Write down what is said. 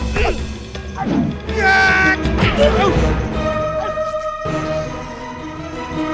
jangan ambil anakku